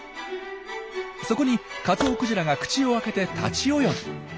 そこにカツオクジラが口を開けて立ち泳ぎ！